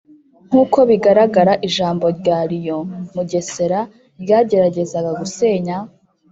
Nk uko bigaragara ijambo rya Leon Mugesera ryageragezaga gusenya